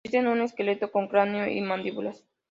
Consiste de un esqueleto con cráneo y mandíbulas.